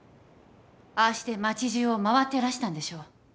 ああして町じゅうを回ってらしたんでしょう。